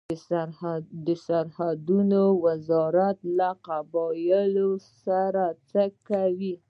د سرحدونو وزارت له قبایلو سره څه کوي؟